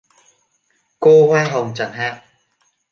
Cô hoa hồng chẳng hạn